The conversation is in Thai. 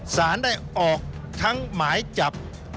สารได้ออกทั้งหมายจับ